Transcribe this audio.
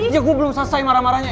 iya gue belum selesai marah marahnya